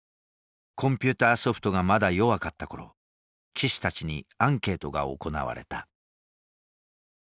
コンピューターソフトがまだ弱かった頃棋士たちにアンケートが行われた。